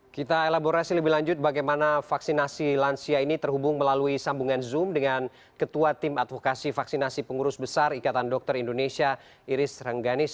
kita elaborasi lebih lanjut bagaimana vaksinasi lansia ini terhubung melalui sambungan zoom dengan ketua tim advokasi vaksinasi pengurus besar ikatan dokter indonesia iris rengganis